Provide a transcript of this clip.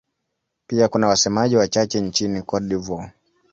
Pia kuna wasemaji wachache nchini Cote d'Ivoire.